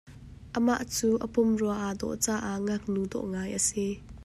Amah cu a pumrua aa dawh caah ngaknu dawh ngai a si .